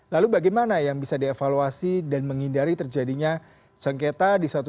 lalu bagaimana yang bisa dievaluasi dan menghindari terjadinya sengketa